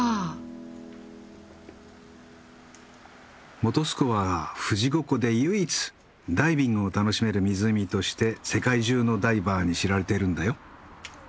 本栖湖は富士五湖で唯一ダイビングを楽しめる湖として世界中のダイバーに知られているんだよ。